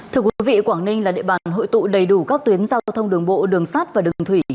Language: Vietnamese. thưa quý vị quảng ninh là địa bàn hội tụ đầy đủ các tuyến giao thông đường bộ đường sát và đường thủy